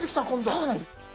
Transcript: そうなんです。